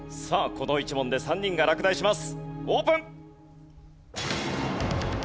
この１問で３人が落第します。